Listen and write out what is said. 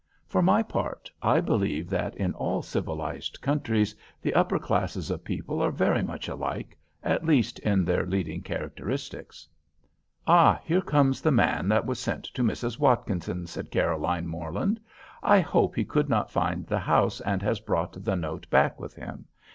For my part, I believe that in all civilized countries the upper classes of people are very much alike, at least in their leading characteristics." "Ah! here comes the man that was sent to Mrs. Watkinson," said Caroline Morland. "I hope he could not find the house and has brought the note back with him.